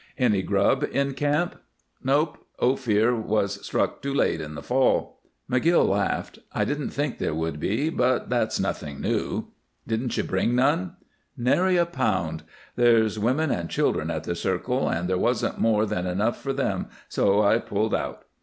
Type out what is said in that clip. "Any grub in camp?" "Nope. Ophir was struck too late in the fall." McGill laughed. "I didn't think there would be; but that's nothing new." "Didn't you bring none?" "Nary a pound. There's women and children at the Circle, and there wasn't more than enough for them, so I pulled out."